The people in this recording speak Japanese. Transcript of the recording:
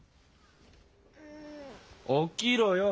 起きろよ。